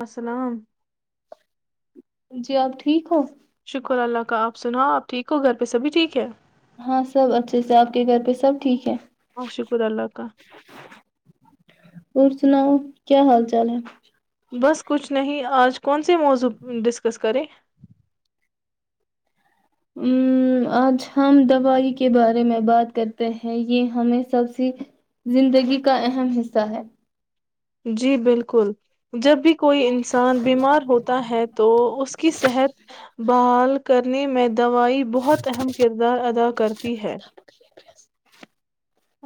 وسلام جی آپ ٹھیک ہو شکر اللہ کا آپ سناؤ آپ ٹھیک ہو گھر پہ سبھی ٹھیک ہے ہاں سب اچھے سے آپ کے گھر پہ سب ٹھیک ہے ہاں شکر اللہ کا اور سناؤ کیا حال چال ہے بس کچھ نہیں آج کون سے موضوع ڈسکس کریں ا آج ہم دوائی کے بارے میں بات کرتے ہیں یہ ہمیں سب سے زندگی کا اہم حصہ ہے جی بالکل جب بھی کوئی انسان بیمار ہوتا ہے تو اس کی صحت بحال کرنے میں دوائی بہت اہم کردار ادا کرتی ہے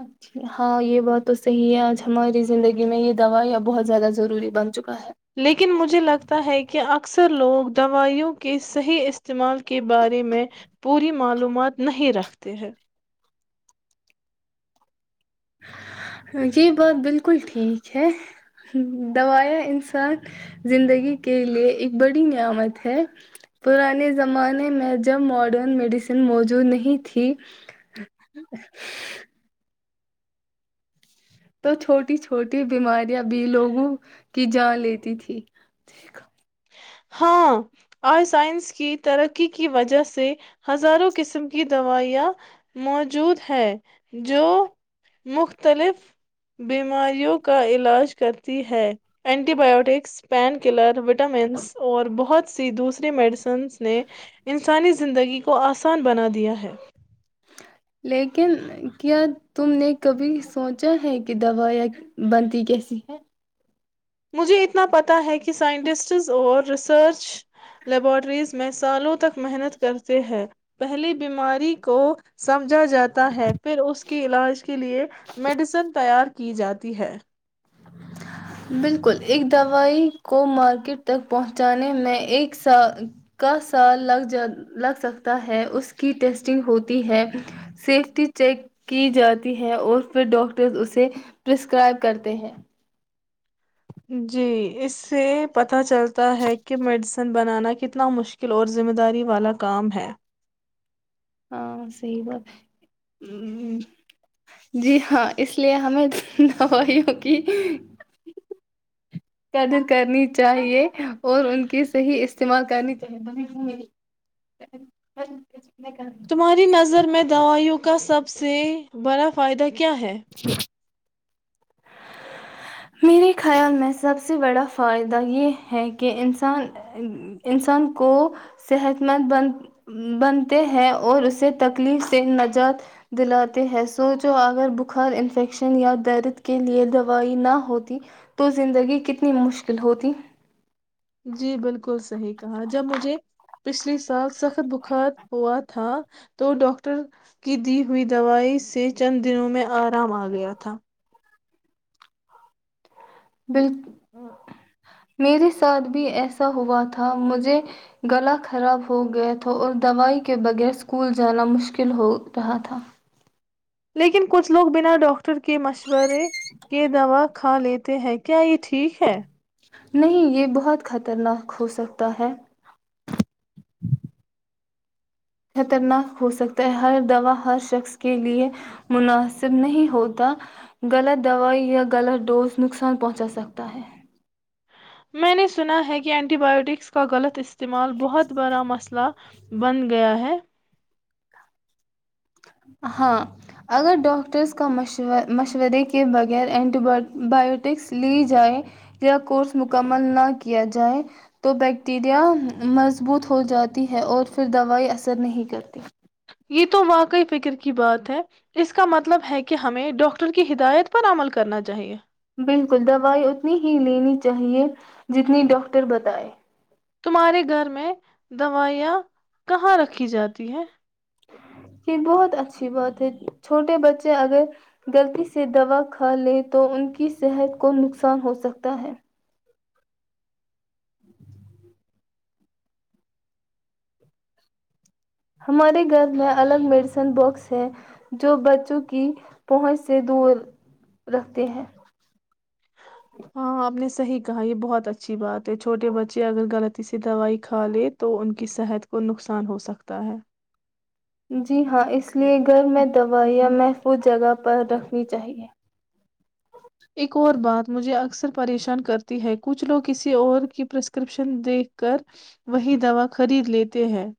اچا ہاں یہ بات تو صحیح ہے آج ہماری زندگی میں یہ دوائی اب بہت زیادہ ضروری بن چکی لیکن مجھے لگتا ہے کہ آ اکثر لوگ دوائیوں کے صحیح استعمال کے بارے میں پوری معلومات نہیں رکھتے ہیں یہ بات بالکل ٹھیک ہے دوایا انسان زندگی کے لئے ایک بڑی نعمت ہے پرانے زمانے میں جب ماڈرن میڈیسن موجود نہیں تھی تو چھوٹی چھوٹی بیماریاں بھی لوگوں کی جان لیتی تھی ہاں آئی سائنس کی ترقی کی وجہ سے ہزاروں قسم کی دوائیاں موجود ہے جو مختلف بیماریوں کا علاج کرتی ہے antibiotics pain colour [unintelligible] vitamins [unintelligible] بہت سی دوسری میڈیسن [unintelligible] سنس نے انسانی [unintelligible] زندگی کو آسان بنا دیا ہے [unintelligible] لیکن [unintelligible] کیا تم نے کبھی [unintelligible] سوچا ہے کہ دوائیاں بنتی کیسی ہے [unintelligible] مجھے اتنا پتا ہے کہ سائنٹسٹس اور ریسرچ لیبورٹریز میں سالوں تک محنت کرتے ہیں پہلی بیماری کو سمجھا جاتا ہے پھر اس کے علاج کے لیے میڈیسن تیار [unintelligible] کی جاتی ہے [unintelligible] بالکل ایک دوائی کو مارکیٹ تک پہنچانے میں ایک سال کا سال لگ لگ سکتا ہے اس کی ٹیسٹنگ ہوتی ہے سیفٹی چیک کی جاتی ہے اور پھر ڈاکٹرز اسے پرسکرائب کرتے ہیں جی اس سے پتا چلتا ہے کہ مڈ [unintelligible] بنانا کتنا مشکل اور ذمہ داری والا کام ہے [unintelligible] ہاں صحی بات جی ہاں اس لیے ہمیں دوائیوں کی [unintelligible] قدر کرنی چاہیے اور ان کی صحیح استعمال کرنی چاہے تمہاری نظر میں دوائیوں کو کا سب سے بڑا فائدہ کیا [unintelligible] کیا ہے میرے خیال میں سب سے بڑا فائدہ یہ ہے کہ انسان انسان کو صحت مند بن بنتے ہے اور اسے تکلیف سے نجات دلاتے ہیں سوچو اگر بخار انفیکشن یا درد کے لیے دوائی نہ ہوتی تو زندگی کتنی مشکل ہوتی جی بالکل صحی کہا جب مجھے پچھلی سال سخت بخار ہوا تھا تو ڈاکٹر کی دی ہوئی دوائی سے چند دنوں میں آرام آ گیا تھا بال میرے ساتھ بھی ایسا ہوا تھا مجھے گلا خراب ہو گیا تھا اور دوائی کے بغیر اسکول جانا مشکل ہو رہا تھا لیکن کچھ لوگ بنا ڈاکٹر کے مشورے کے دوا کھا لیتے ہیں کیا یہ ٹھیک ہے نہیں یہ بہت خطرناک ہو سکتا ہے خطرناک ہوسکتا ہے ہر دوا ہر شخص کے لئے مناسب نہیں ہوتا غلط دوائی یا غلط ڈوز نقصان پہنچا سکتا ہے میں نے سنا ہے کہ اینٹی بایوٹکس کا غلط استعمال بہت بڑا مسئلہ بند گیا ہے ہاں اگر ڈاکٹرس کاور مشورے کے بغیر اینٹی بایوٹکس لی جائے یا کورس مکمل نہ کیا جائے تو بیکٹیریا مضبوط ہو جاتی ہے اور پھر دوائی اثر نہیں کرتی یہ تو واقعی فکر کی بات ہے اس کا مطلب ہے کہ ہمیں ڈاکٹر کی ہدایت پر عمل کرنا چاہیے بالکل دوائی اتنی ہی لینی چاہیے جتنی ڈاکٹر بتائے تمہارے گھر میں دوائیاں کہاں رکھی جاتی ہے یہ بہت اچھی بات ہے چھوٹے بچے اگر غلطی سے دوا کھا لے تو ان کی صحت کو نقصان ہو سکتا ہے ج [inaudible] ہمارے گھر میں الگ میڈیسن باکس ہیں جو بچوں کی پہنچ سے دور رکھتے ہیں ہاں آپ نے صحیح کہا یہ بہت اچھی بات ہے چھوٹے بچے اگر غلطی سےی دوائی کھا لے تو ان کی صحت کو نقصان ہوسکتا ہے جی ہاں اس اس لیے گھر میں دوا یا محفوظ جگہ پر رکھنی چاہیے ایک اور بات مجھے اکثر پریشان کرتی ہے کچھ لوگ کسی اور کی پرسکرپشن دیکھ کر وہی دوا خرید لیتے ہیں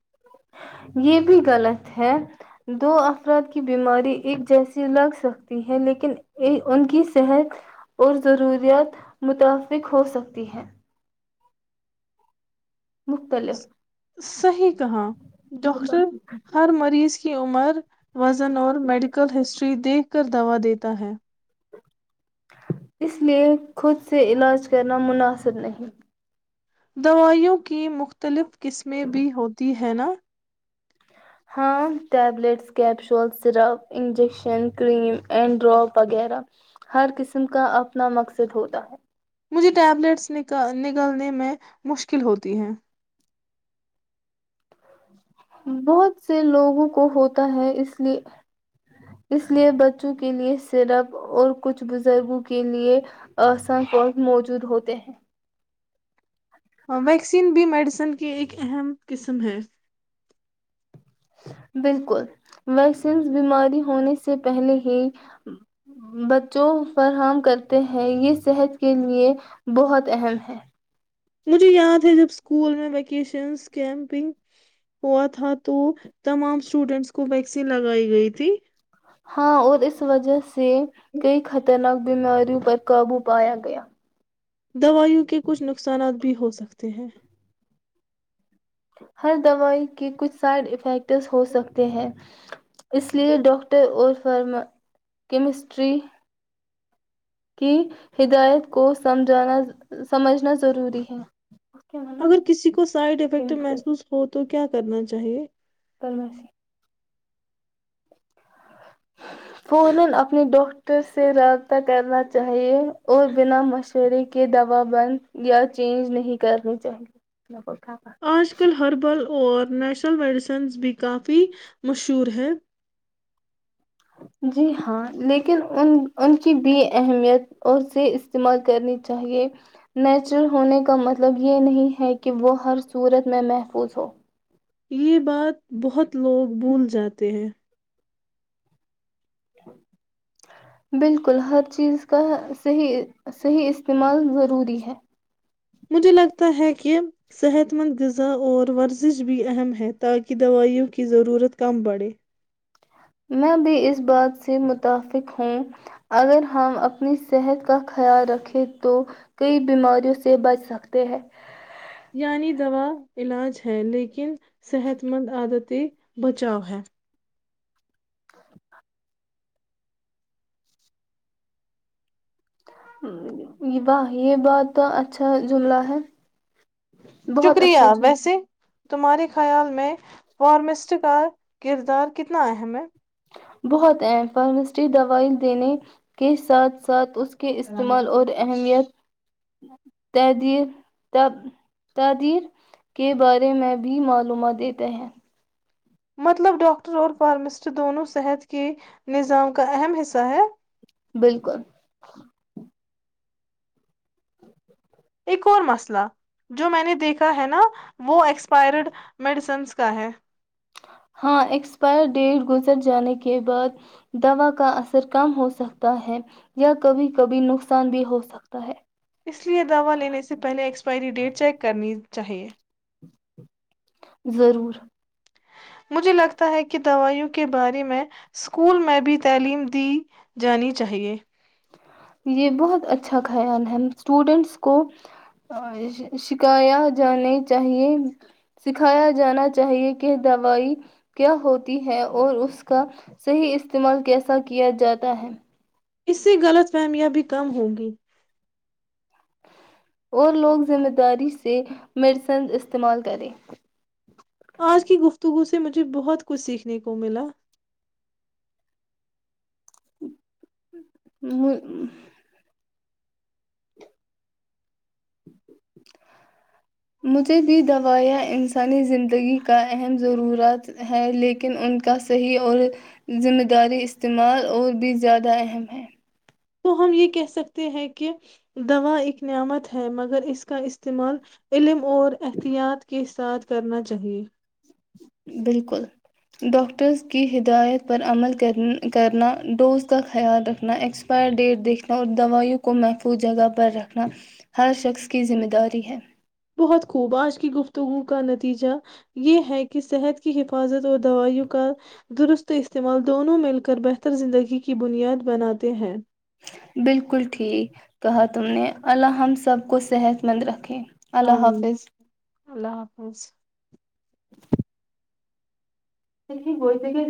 یہ بھی غلط ہے دو افراد کی بیماری ایک جیسی لگ سکتی ہے لیکن ان کی صحت اور ضروریات متفق ہو سکتی ہے مختلف صحیح کہااں ڈاکاکٹر ہر مریض کی عمر وزن اور میڈیکل ہسٹری دیکھ کر دوا دیتا ہے اس لیے خود سے علاج کرنا مناسب نہیں دوائیوں کی مختلف قسمیں بھی ہوتی ہیں نا ہاں tablets capsule syrup injection cream and drop وغیرہ ہر قسم کا اپنا مقصد ہوتا ہے مجھے ٹیبلیٹس ن نکلنے میں مشکل ہوتی ہیں بہت سے لوگوں کو ہوتا ہے اس لیے اس لیے بچوں کے لیے سرپ اور کچھ بزرگوں کے لیے آساں موجود ہوتے ہیں ہاں ویکسین بھی میڈیسن کی ایک اہم قسم ہے بالکل ویکسین بیماری ہونے سے پہلے ہی بچوں فراہم کرتے ہیں یہ صحت کے لیے بہت اہم ہے مجھے یاد ہے جب اسکول میں ویکیشنس کیمپنگ ہوا تھا تو تمام اسٹوڈینٹس کو ویکسین لگائی گئی تھی ہاں اور اس وجہ سے سے کئی خطرناک بیماریوں پر قابو پایا گیا دوائیوں کے کچھ نقصانات بھی ہو سکتے ہیں ہر دوائی کے کچھ سائڈ افیکٹ س ہو سکتے ہیں اس لیئے ڈاکٹر اور فرما کیمسٹری کی ہدایت کو سمجھنا ضروری ہے اگر کسی کو سائڈ افیکٹ محسوس ہو تو کیا کرنا چاہیے کرمسی کونول اپنی ڈاکٹر سے رابطہ کرنا چاہیے اور بنا مشورے کے دوا بند یا چینج نہیں کرنا چاہیے آج کل ہربل اور نیچرل میڈیسنز بھی کافی مشہور ہے جی ہاں لیکن ان کی بھی اہمیت اور سے استعمال کرنی چاہیئے نیچرل ہونے کا مطلب یہ نہیں ہے کہ وہ ہر صورت میں محفوظ ہو یہ بات بہت لوگ بھول جاتے ہیں بالکل ہر چیز کا صحیح استعمال ضروری ہے مجھے لگتا ہے کہ صحت مند غذا اور ورزش بھی اہم ہے تاکہ دوائیوں کی ضرورت کم بڑھے میں بھی اس بات سے م متفق ہوں اگر ہم اپنی صحت کا خیال رکھیں تو کئی بیماریوں سے بچ سکتے ہیں [unintelligible] یعنی دوا علاج ہے لیکن صحت مند عادت سے بچاؤ ہے [unintelligible] واہ یہ بات اچھا جملہ ہے [unintelligible] بہت شکریہ اچھا جملہ ویسے [unintelligible] تمہارے خیال میں فارمسٹ کا کردار کتنا اہم ہے [unintelligible] بہت اہم فارمیس دوائی دینے کے ساتھ ساتھ اس کے استعمال اور اہمیت تدیر ت تدیر کے بارے میں بھی معلومات دیتے ہیں [unintelligible] مطلب ڈاکٹر اور فارماسٹ دونوں صحت کے نظام کا اہم حصہ ہے [unintelligible] بالکل [unintelligible] اور مسئلہ جو میں نے دیکھا ہے نا وہ ایکسپائرڈ میڈیسنس کا ہے [unintelligible] ہاں ایکسپائر ڈیٹ گزر جانے کے بعد دوا کا اثر کم ہو سکتا ہے یا کبھی کبھی نقصان بھی ہو سکتا ہے [unintelligible] اس لئے دوا لینے سے پہلے ایکسپائری ڈیٹ چیک کرنی چاہیے ضرور [unintelligible] مجھے لگتا ہے کہ دوائیوں کے بارے میں اسکول میں بھی تعلیم دی جانی چاہیے یہ بہت اچھا خیال ہے اسٹوڈینٹس کو شکھایا جانے چاہیے سکھایا جانا چاہیے کہ دوائی کیا ہوتی ہے اور اس کا صحیح استعمال کیسا کیا جاتا ہے اس سے غلط کامیاب بھی کم ہوگی اور لوگ ذمہ داری سے میڈیسنز استعمال کریں [unintelligible] آج کی گفتگو سے مجھے بہت کچھ سیکھنے کو ملا ہ [unintelligible] مجھے بھی دوائیاں انسانی زندگی کا اہم ضرورت ہے لیکن ان کا صحیح اور ذمہ داری استعمال اور بھی زیادہ اہم ہیں [unintelligible] تو ہم یہ کہہ سکتے ہیں کہ دوا ایک نعمت ہے مگر اس کا استعمال علم اور احتیاط کے ساتھ کرنا چاہیئے بالکل ڈاکٹرس کی ہدایت پر عمل کر کرنا ڈوز کا خیال رکھنا ایکسپائر ڈیٹ دیکھنا اور دوائیوں کو محفوظ جگہ پر رکھنا ہر شخص کی ذمہ داری ہے [unintelligible] بہت خوب آج کی گفتگو کا نتیجہ یہ ہے کہ صحت کی حفاظت اور دوائیوں کا درست استعمال دونوں مل کر بہتر زندگی کی بنیاد بناتے ہیں بالکل ٹھیک کہا تم نے الا ہم سب کو صحت مند رکھیں اللہ آمین حافظ [inaudible] اللہ حافظ بو ت ج [unintelligible]